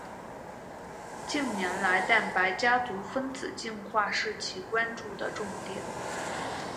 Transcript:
近年来蛋白家族分子进化是其关注的重点。